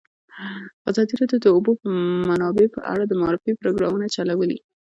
ازادي راډیو د د اوبو منابع په اړه د معارفې پروګرامونه چلولي.